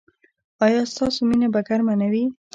ایا ستاسو مینه به ګرمه نه وي؟